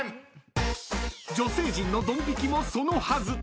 ［女性陣のドン引きもそのはず］